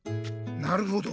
なるほど。